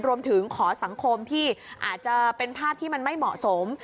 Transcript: รวมถึงขอสังคมที่อาจจะเป็นภาพที่มันไม่เหมาะสม